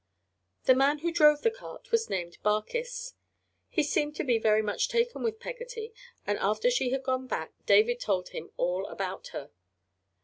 The man who drove the cart was named Barkis. He seemed to be very much taken with Peggotty, and after she had gone back David told him all about her.